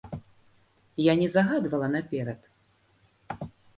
Я не загадвала наперад.